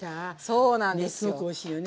そうなんですよ。ね